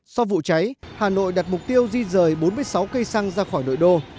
sau vụ cháy hà nội đặt mục tiêu di rời bốn mươi sáu cây xăng ra khỏi nội đô